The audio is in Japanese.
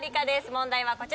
問題はこちら。